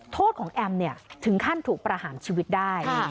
โทษของแอมถึงขั้นถูกประหารชีวิตได้